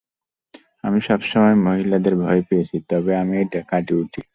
আমি সবসময় মহিলাদের ভয় পেয়েছি, তবে আমি এটা কাটিয়ে উঠি।